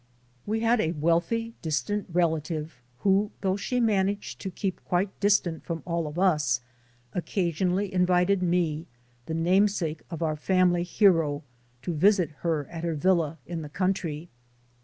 We had a wealthy distant relative who, though she managed to keep quite distant from all of us, occasionally invited me, the namesake of our fam ily hero, to visit her at her villa in the country.